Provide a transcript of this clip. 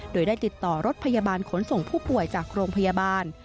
โดยได้ติดต่อรถพยาบาลขนส่งผู้ป่วยจากโรงพยาบาล